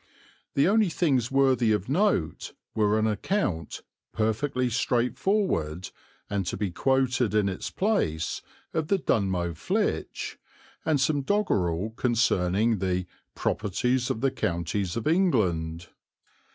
The only things worthy of note were an account, perfectly straightforward, and to be quoted in its place, of the Dunmow Flitch, and some doggerel concerning the "properties of the counties of England."